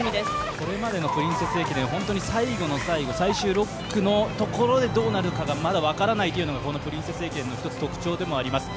これまでのプリンセス駅伝、最後の最後最終６区のところまでどうなるかがまだ分からないというのがプリンセス駅伝の１つの特徴でもあります。